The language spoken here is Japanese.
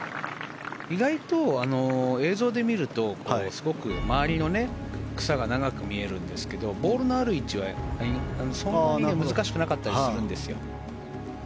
意外と映像で見るとすごく周りの草が長く見えますがボールのある位置はそんなに難しくなかったりするんですよ。